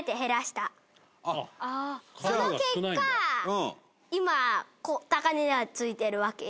その結果今、高値が付いてるわけや。